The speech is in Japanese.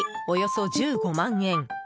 およそ１５万円。